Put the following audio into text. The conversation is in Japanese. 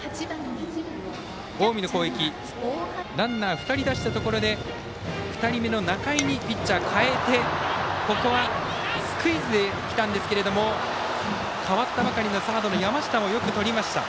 近江の攻撃ランナー２人出したところで２人目の仲井にピッチャーを代えてここはスクイズできたんですけれども代わったばかりのサードの山下もよくとりました。